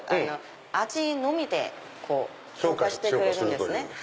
味のみで評価してくれるんですね。